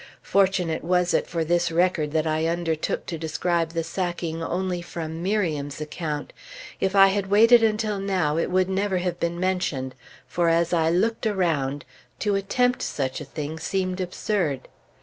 Fortunate was it for this record that I undertook to describe the sacking only from Miriam's account. If I had waited until now, it would never have been mentioned; for as I looked around, to attempt such a thing seemed absurd.